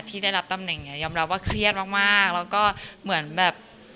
ที่ได้รับตำแหน่งเนี้ยยอมรับว่าเครียดมากแล้วก็เหมือนแบบ